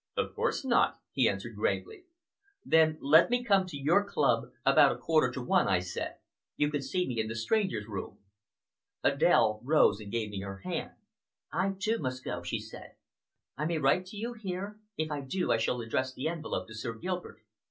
"Of course not," he answered gravely. "Then let me come to your club about a quarter to one," I said. "You can see me in the strangers' room." Adèle rose and gave me her hand. "I too, must go," she said. "I may write to you here if I do I shall address the envelope to Sir Gilbert.